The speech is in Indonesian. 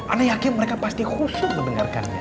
anda yakin mereka pasti khusyuk mendengarkannya